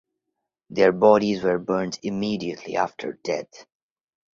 Their bodies were burned immediately after death.